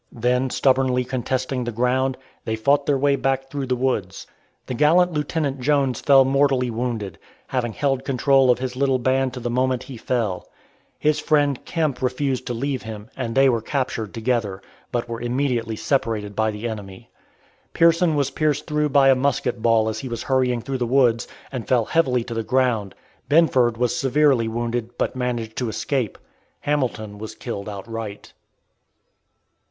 Then stubbornly contesting the ground, they fought their way back through the woods. The gallant Lieutenant Jones fell mortally wounded, having held control of his little band to the moment he fell. His friend Kemp refused to leave him, and they were captured together, but were immediately separated by the enemy. Pearson was pierced through by a musket ball as he was hurrying through the woods, and fell heavily to the ground. Binford was severely wounded, but managed to escape. Hamilton was killed outright.